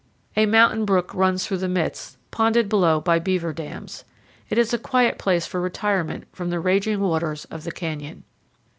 A mountain brook runs through the midst, ponded below by beaver dams. It is a quiet place for retirement from the raging waters of the canyon.